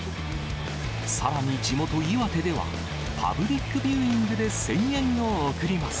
さらに地元、岩手ではパブリックビューイングで声援を送ります。